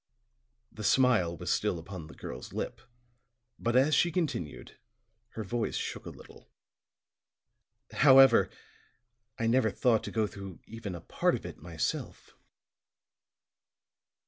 The smile was still upon the girl's lip, but as she continued, her voice shook a little. "However, I never thought to go through even a part of it myself."